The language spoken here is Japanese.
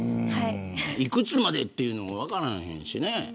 いくつまでっていうのが分からへんしね。